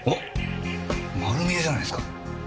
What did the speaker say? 丸見えじゃないですか。